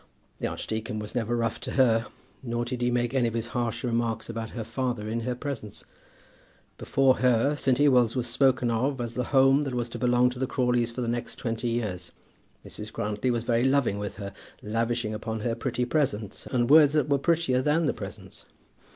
The archdeacon was never rough to her, nor did he make any of his harsh remarks about her father in her presence. Before her St. Ewolds was spoken of as the home that was to belong to the Crawleys for the next twenty years. Mrs. Grantly was very loving with her, lavishing upon her pretty presents, and words that were prettier than the presents.